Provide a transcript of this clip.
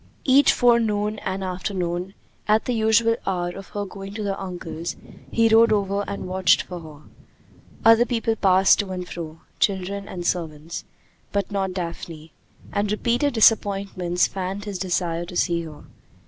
Each forenoon and afternoon, at the usual hour of her going to her uncle's, he rode over and watched for her. Other people passed to and fro, children and servants, but not Daphne; and repeated disappointments fanned his desire to see her.